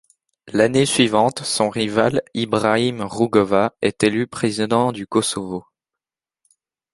L'année suivante, son rival, Ibrahim Rugova, est élu président du Kosovo.